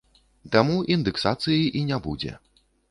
Таму індэксацыі і не будзе.